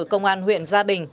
công an huyện gia bình